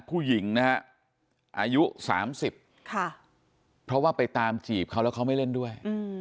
ผู้หญิงนะฮะอายุ๓๐เพราะว่าไปตามจีบเขาแล้วเขาไม่เล่นด้วย